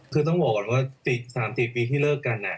คือต้องบอกก่อนว่า๓๔ปีที่เลิกกัน